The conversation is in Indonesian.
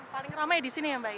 paling ramai di sini ya mbak